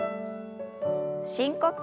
深呼吸。